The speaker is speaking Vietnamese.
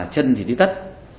chân thì đi tất